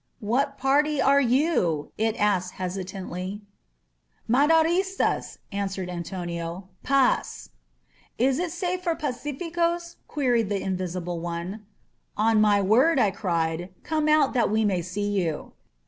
*^What party are you?" it asked hesitantly. "Maderistas," answered Antonio. "Fass!" It is safe for pacificosf queried the invisible one. 167 INSURGENT MEXICO 0n my word," I cried. Come out that we may see you."